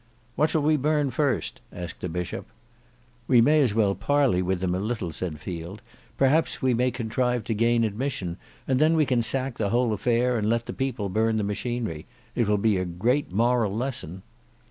"What shall we burn first?" asked the Bishop. "We may as well parley with them a little," said Field; "perhaps we may contrive to gain admission and then we can sack the whole affair, and let the people burn the machinery. It will be a great moral lesson."